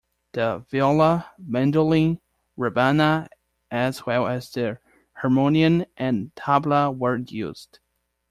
The viola, mandolin, rabana as well as the harmonium and tabla were used.